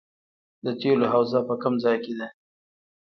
د تیلو حوزه په کوم ځای کې ده؟